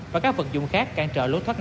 và các vận dụng khác cạn trợ lốt thoát nạn